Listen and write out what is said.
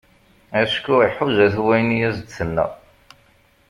Acku iḥuza-t wayen i as-d-tenna.